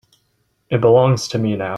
It belongs to me now.